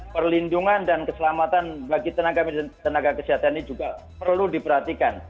perlindungan dan keselamatan bagi tenaga medis dan tenaga kesehatan ini juga perlu diperhatikan